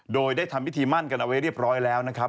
โดยได้ทำพิธีมั่นกันเอาไว้เรียบร้อยแล้วนะครับ